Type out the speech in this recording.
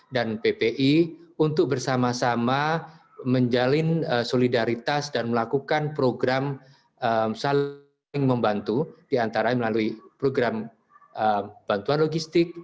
dan ppi untuk bersama sama menjalin solidaritas dan melakukan program saling membantu diantara melalui program bantuan logistik